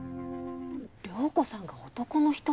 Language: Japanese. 涼子さんが男の人と？